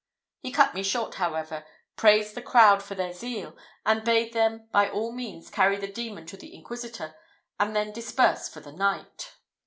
He cut me short, however, praised the crowd for their zeal, and bade them by all means carry the demon to the inquisitor, and then disperse for the night.